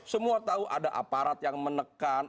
semua tahu ada aparat yang menekan